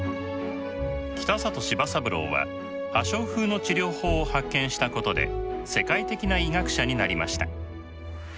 北里柴三郎は破傷風の治療法を発見したことで世界的な医学者になりました。